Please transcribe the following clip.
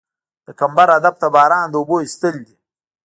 د کمبر هدف د باران د اوبو ایستل دي